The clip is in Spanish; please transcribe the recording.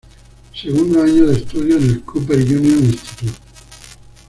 Segundo año de estudios en el Cooper Union Institute.